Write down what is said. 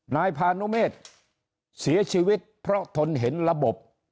นายพานุเมษเสียชีวิตเพราะทนเห็นระบบ